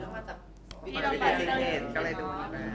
มีแก๊สเหมือนเดิม